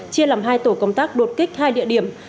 chia làm hai tổ công tác đột kích hai địa điểm